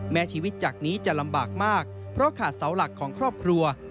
แม้ชีวิตจากนี้จะลำบากมากเพราะขาดเสาหลักของครอบครัว